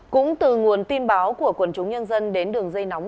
cũng từ nguồn tin báo của quần chúng nhân dân đến đường dây nóng